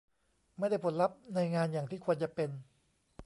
ไม่ได้ผลลัพธ์ในงานอย่างที่ควรจะเป็น